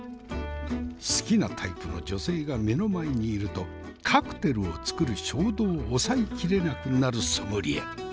好きなタイプの女性が目の前にいるとカクテルを作る衝動を抑え切れなくなるソムリエ。